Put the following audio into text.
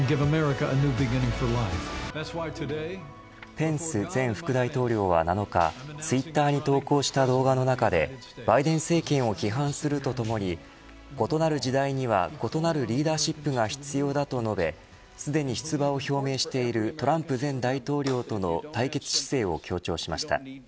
ペンス前副大統領は７日ツイッターに投稿した動画の中でバイデン政権を批判するとともに異なる時代には異なるリーダーシップが必要だと述べすでに出馬を表明しているトランプ前大統領との対決姿勢を強調しました。